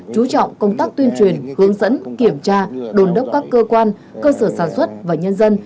chú trọng công tác tuyên truyền hướng dẫn kiểm tra đồn đốc các cơ quan cơ sở sản xuất và nhân dân